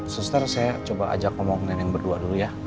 suster saya coba ajak ngomong neneng berdua dulu ya